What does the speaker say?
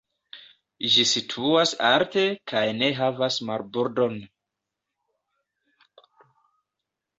Ĝi situas alte kaj ne havas marbordon.